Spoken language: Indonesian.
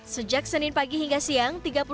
sejak senin pagi hingga siang